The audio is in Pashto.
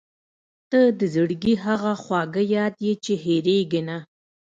• ته د زړګي هغه خواږه یاد یې چې هېرېږي نه.